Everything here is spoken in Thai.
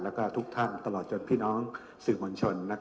แล้วก็ทุกท่านตลอดจนพี่น้องสื่อมวลชน